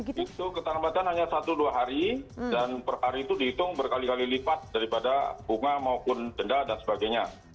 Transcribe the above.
itu keterlambatan hanya satu dua hari dan per hari itu dihitung berkali kali lipat daripada bunga maupun denda dan sebagainya